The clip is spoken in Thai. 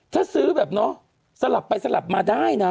ถ้าซื้อแบบเนอะสลับไปสลับมาได้นะ